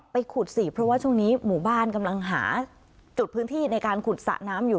ไปขุดสิเพราะว่าช่วงนี้หมู่บ้านกำลังหาจุดพื้นที่ในการขุดสระน้ำอยู่